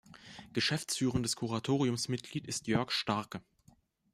Geschäftsführendes Kuratoriumsmitglied ist Jörg Starke.